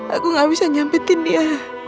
aku gak bisa nyampetin dia